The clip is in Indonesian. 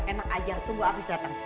enak aja tunggu alvis dateng